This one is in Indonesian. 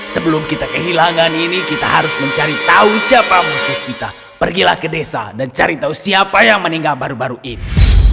sebelum kita kehilangan ini kita harus mencari tahu siapa musuh kita pergilah ke desa dan cari tahu siapa yang meninggal baru baru ini